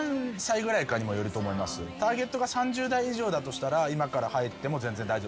ターゲットが３０代以上だとしたら今から入っても全然大丈夫。